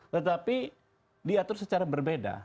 tetapi diatur secara berbeda